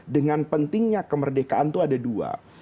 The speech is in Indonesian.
dengan pentingnya kemerdekaan itu ada dua